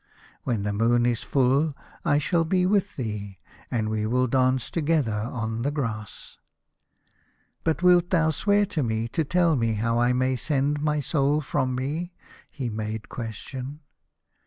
When the moon is full I shall be with thee, and we will dance together on the grass." " But wilt thou swear to me to tell me how I may send my soul from me ?" he made question.